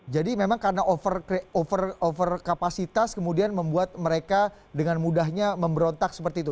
jadi memang karena overcapacitas kemudian membuat mereka dengan mudahnya memberontak seperti itu